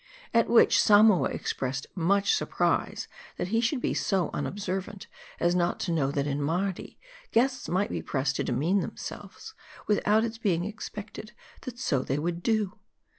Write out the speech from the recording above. At which, Samoa expressed much surprise, that he should be so unobservant as not to know, that in Mardi, guests might be pressed to demean themselves, without its being expected that so they would, do.